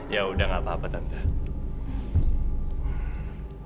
ya udah gak apa apa tante